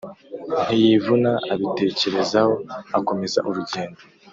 ntiyivuna abitekerezaho akomeza urugendo,